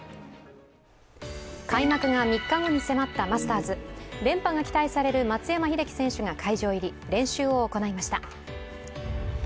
開幕が３日後に迫ったマスターズ連覇が期待される松山英樹選手が会場入り、練習を行いました。